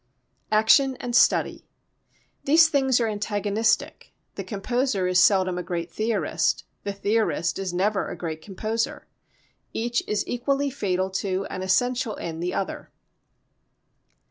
Action and Study These things are antagonistic. The composer is seldom a great theorist; the theorist is never a great composer. Each is equally fatal to and essential in the other.